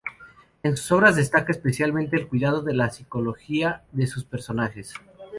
En sus obras destaca especialmente el cuidado de la psicología de sus personajes.